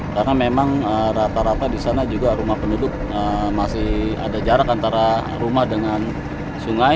karena memang rata rata di sana juga rumah penduduk masih ada jarak antara rumah dengan sungai